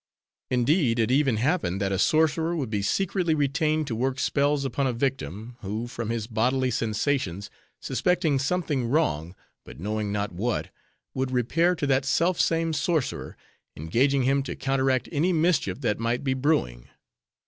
Indeed, it even happened that a sorcerer would be secretly retained to work spells upon a victim, who, from his bodily sensations, suspecting something wrong, but knowing not what, would repair to that self same sorcerer, engaging him to counteract any mischief that might be brewing.